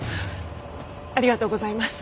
ありがとうございます。